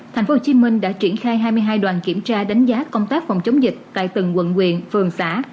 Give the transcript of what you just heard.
tp hcm đã triển khai hai mươi hai đoàn kiểm tra đánh giá công tác phòng chống dịch tại từng quận quyện phường xã